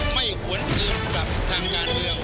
ไม่หวนเกินกลับทางยานเดียว